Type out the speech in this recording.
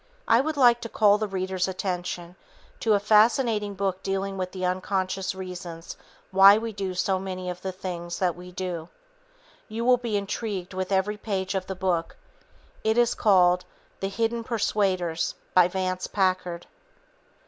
I would like to call the reader's attention to a fascinating book dealing with the unconscious reasons why we do many of the things that we do. You will be intrigued with every page of the book. It is called The Hidden Persuaders by Vance Packard.